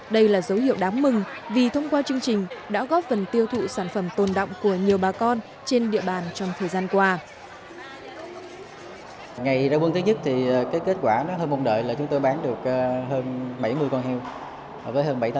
đây là dấu hiệu đáng mừng vì thông qua chương trình đã góp phần tiêu thụ sản phẩm tồn động của nhiều bà con trên địa bàn trong thời gian qua